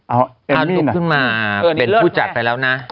เอาลูกขึ้นมาเป็นผู้จัดไปแล้วนะ